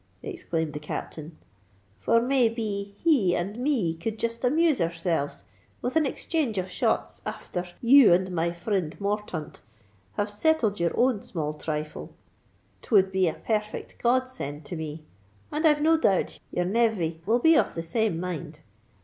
exclaimed the Captain; "for may be he and me could jist amuse ourselves with an exchange of shots afther you and my frind Morthaunt have settled your own small thrifle. 'T would be a perfect God send to me; and I've no doubt your nev vy will be of the same mind.